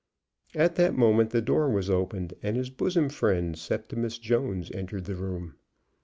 At that moment the door was opened and his bosom friend, Septimus Jones, entered the room.